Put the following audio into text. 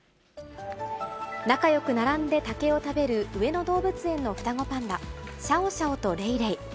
仲よく並んで竹を食べる上野動物園の双子パンダ、シャオシャオとレイレイ。